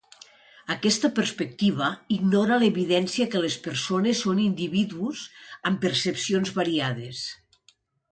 Aquesta perspectiva ignora l'evidència que les persones són individus amb percepcions variades.